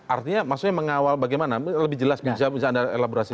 artinya maksudnya mengawal bagaimana lebih jelas bisa anda elaborasi